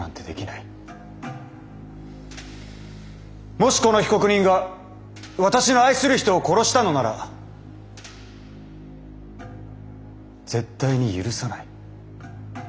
もしこの被告人が私の愛する人を殺したのなら絶対に許さない。